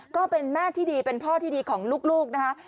ก็เป็นแม่ที่ดีเป็นพ่อที่ดีของลูกนะคะ